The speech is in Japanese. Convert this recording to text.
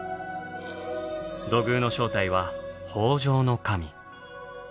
土偶の正体は「豊穣の神」。